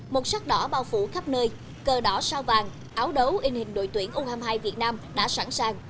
một sắc đỏ bao phủ khắp nơi cờ đỏ sao vàng áo đấu in hình đội tuyển u hai mươi hai việt nam đã sẵn sàng